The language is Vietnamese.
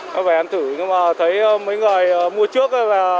nó về ăn thử nhưng mà thấy mấy người mua trước